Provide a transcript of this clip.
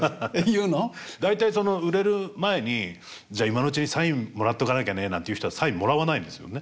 大体その売れる前に「じゃあ今のうちにサインもらっとかなきゃね」なんて言う人はサインもらわないんですよね。